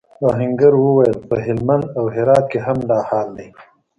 آهنګر وویل پهلمند او هرات کې هم دا حال دی.